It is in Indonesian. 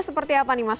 seperti apa nih mas